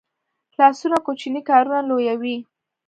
لاسونه کوچني کارونه لویوي